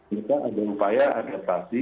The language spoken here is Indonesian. kita ada upaya adaptasi